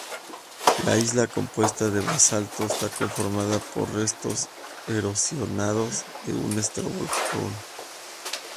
La isla, compuesta de basalto, está conformada por restos erosionados de un estratovolcán.